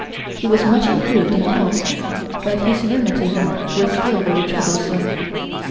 He was much improved in health, but his rheumatism was still very troublesome.